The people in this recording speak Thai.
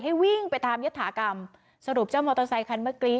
วิ่งไปตามยัตถากรรมสรุปเจ้ามอเตอร์ไซคันเมื่อกี้